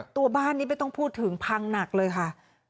ตัวบ้านนี้ไม่ต้องพูดถึงพังหนักเลยค่ะ